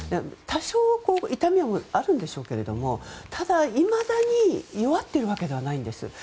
多少痛みはあるんでしょうけれどもただ、いまだに弱っているわけではないんです。